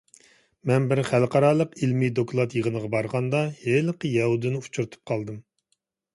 مەن بىر بىر خەلقئارالىق ئىلمىي دوكلات يىغىنىغا بارغاندا، ھېلىقى يەھۇدىينى ئۇچۇرتۇپ قالدىم.